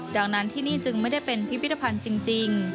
ดังนั้นที่นี่จึงไม่ได้เป็นพิพิธภัณฑ์จริง